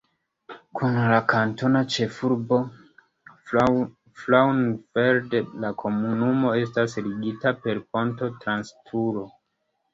Kun la kantona ĉefurbo Frauenfeld la komunumo estas ligita per ponto trans Turo.